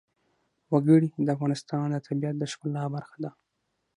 وګړي د افغانستان د طبیعت د ښکلا برخه ده.